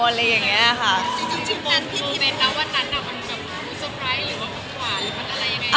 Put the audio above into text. อะไรอย่างเงี้ยค่ะ